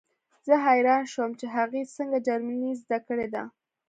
زه حیران شوم چې هغې څنګه جرمني زده کړې ده